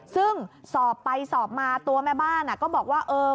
ซึ่งสอบไปสอบมาตัวแม่บ้านก็บอกว่า